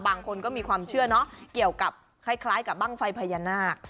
บางคนก็มีความเชื่อเนอะเกี่ยวกับคล้ายกับบ้างไฟพญานาค